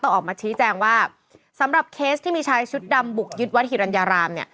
ออกมาชี้แจงว่าสำหรับเคสที่มีชายชุดดำบุกยึดวัดหิรัญญารามเนี่ย